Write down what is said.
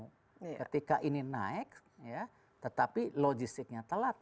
ketika ini naik tetapi logistiknya telat